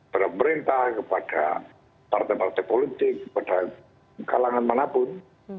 kepada pemerintah kepada partai partai politik kepada kalangan manapun